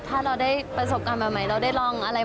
ถ้าเราได้ประสบการณ์ใหม่เราได้ลองอะไร